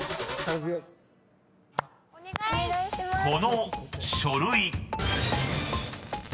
［この書類］